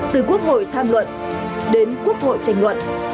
từ quốc hội tham luận đến quốc hội tranh luận